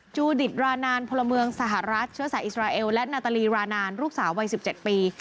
จูดิตรานานพลเมืองสหรัฐเชื้อสายอิสราเอลและนาตาลีรานานลูกสาววัย๑๗ปี